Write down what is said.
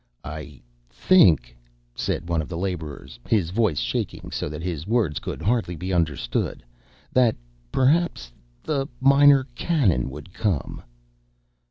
"I think," said one of the laborers, his voice shaking so that his words could hardly be understood, "that—perhaps—the Minor Canon—would come."